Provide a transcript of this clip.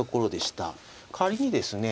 仮にですね